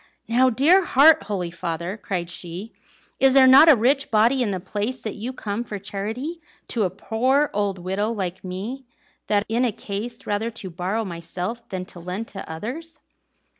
"Now, dear heart, holy father!" cried she, "is there not a rich body in the place, that you come for charity to a poor old widow like me, that am in a case rather to borrow myself than to lend to others?"